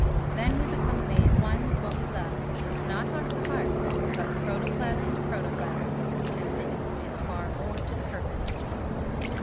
Then we become made one with what we love—not heart to heart, but protoplasm to protoplasm, and this is far more to the purpose.